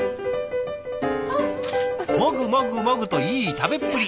もぐもぐもぐといい食べっぷり。